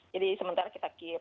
jadi sementara kita keep